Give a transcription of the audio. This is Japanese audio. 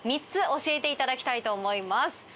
３つ教えていただきたいと思います。